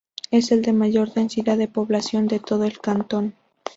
Es el de mayor densidad de población de todo el cantón.